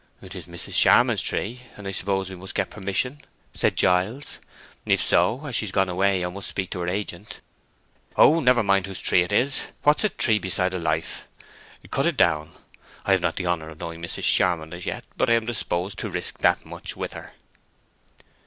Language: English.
"'Tis Mrs. Charmond's tree, and I suppose we must get permission?" said Giles. "If so, as she is gone away, I must speak to her agent." "Oh—never mind whose tree it is—what's a tree beside a life! Cut it down. I have not the honor of knowing Mrs. Charmond as yet, but I am disposed to risk that much with her."